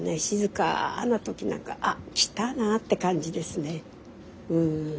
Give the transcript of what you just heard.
静かな時なんか「あ来たな」って感じですねうん。